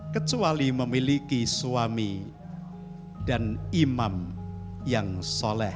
kecuali memiliki suami dan imam yang soleh